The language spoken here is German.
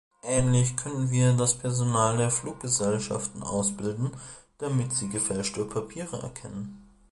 Ähnlich könnten wir das Personal der Fluggesellschaften ausbilden, damit sie gefälschte Papiere erkennen.